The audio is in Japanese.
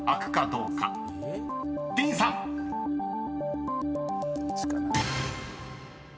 どっちかな？